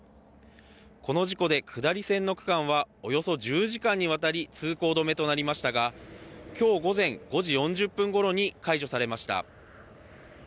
この事故で下り線の区間はおよそ１０時間にわたり通行止めとなりましたが今日午前５時４０分ごろに解除されました。